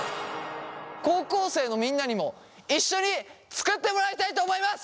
高校生のみんなにも一緒に作ってもらいたいと思います！